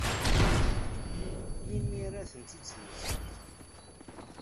Melmi ara ad tent-id-temmektim?